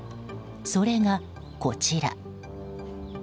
それが、こちら。